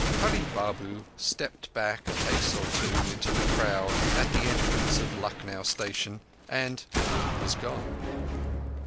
Hurree Babu stepped back a pace or two into the crowd at the entrance of Lucknow station and—was gone.